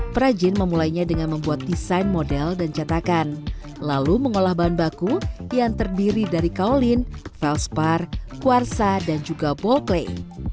perajin memulainya dengan membuat desain model dan cetakan lalu mengolah bahan baku yang terdiri dari kaulin velspar kuarsa dan juga boldplay